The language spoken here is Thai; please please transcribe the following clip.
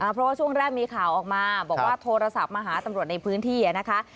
เพราะว่าช่วงแรกมีข่าวออกมาบอกว่าโทรศัพท์มาหาตำรวจในพื้นที่นะคะ